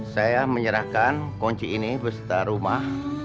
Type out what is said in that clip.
saya menyerahkan kunci ini beserta rumah